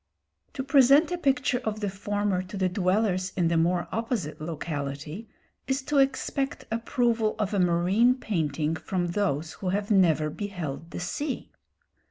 To present a picture of the former to the dwellers in the more opposite locality is to expect approval of a marine painting from those who have never beheld the sea.